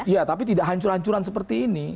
ya tapi tidak hancur hancuran seperti ini